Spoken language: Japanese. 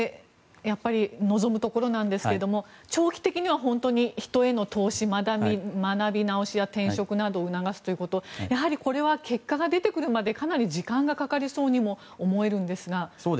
やっぱり望むところなんですが長期的には本当に、人への投資学び直しや転職などを促すということをやはりこれは結果が出てくるまでかなり時間がかかりそうにも思えるんですが。